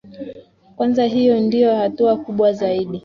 kwanza hiyo ndio hatua kubwa zaidi